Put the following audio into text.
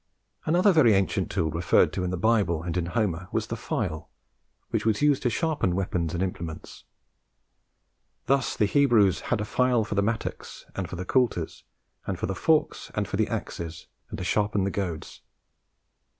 Another very ancient tool referred to in the Bible and in Homer was the File, which was used to sharpen weapons and implements. Thus the Hebrews "had a file for the mattocks, and for the coulters, and for the forks, and for the axes, and to sharpen the goads."